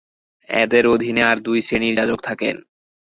এঁদের অধীনে আর দুই শ্রেণীর যাজক থাকেন।